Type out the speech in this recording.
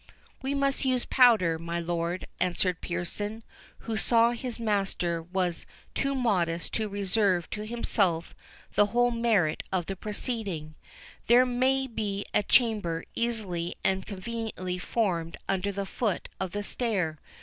"We must use powder, my lord," answered Pearson, who saw his master was too modest to reserve to himself the whole merit of the proceeding— "There may be a chamber easily and conveniently formed under the foot of the stair.